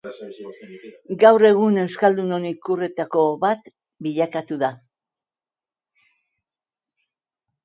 Gaur egun euskaldunon ikurretako bat bilakatu da.